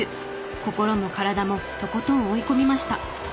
心も体もとことん追い込みました。